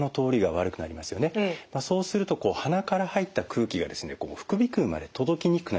そうすると鼻から入った空気がですね副鼻腔まで届きにくくなります。